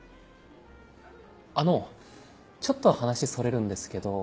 あのちょっと話それるんですけど。